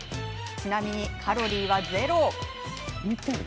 ちなみにカロリーはゼロ。